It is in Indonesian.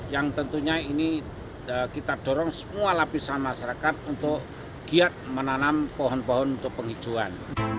yang tentunya ini kita dorong semua lapisan masyarakat untuk giat menanam pohon pohon untuk penghijauan